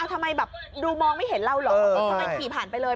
ทำไมแบบดูมองไม่เห็นเราเหรอทำไมขี่ผ่านไปเลย